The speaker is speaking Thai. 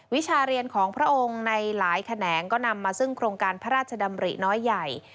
วิชาเรียนของพระองค์ในหลายแขนงก็นำมาซึ่งโครงการพระราชดำริน้อยใหญ่